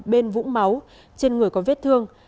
bên vũ máu trên người có vết thương